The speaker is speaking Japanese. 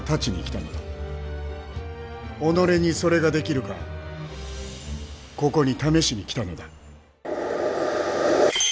己にそれができるかここに試しに来たのだ。